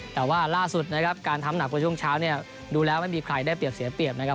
แต่ว่าล่าสุดนะครับการทำหนักกว่าช่วงเช้าเนี่ยดูแล้วไม่มีใครได้เปรียบเสียเปรียบนะครับ